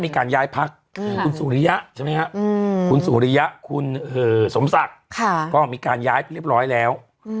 คุณสุฤยะคุณสมศักดิ์ก็มีการย้ายเรียบร้อยแล้ว